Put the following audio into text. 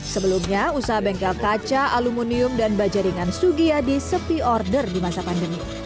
sebelumnya usaha bengkel kaca aluminium dan bajaringan sugiyadi sepi order di masa pandemi